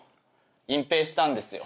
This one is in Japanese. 隠蔽したんですよ。